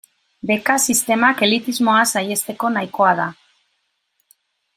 Beka sistemak elitismoa saihesteko nahikoa da.